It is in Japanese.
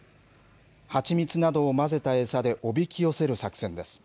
蜂蜜などを混ぜた餌でおびき寄せる作戦です。